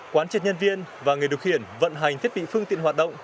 quan chức nhân viên và người được khiển vận hành thiết bị phương tiện hoạt động